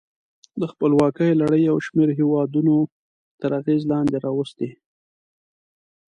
د خپلواکیو لړۍ یو شمیر هېودونه تر اغېز لاندې راوستي.